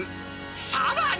さらに。